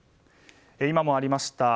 今もありました